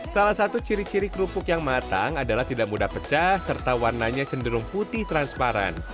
salah satu ciri ciri kerupuk yang matang adalah tidak mudah pecah serta warnanya cenderung putih transparan